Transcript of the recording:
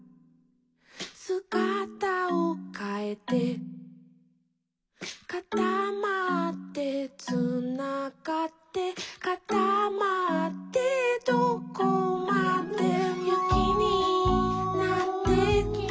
「すがたをかえて」「かたまってつながって」「かたまってどこまでも」「ゆきになって」